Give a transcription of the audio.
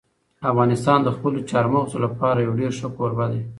افغانستان د خپلو چار مغز لپاره یو ډېر ښه کوربه دی.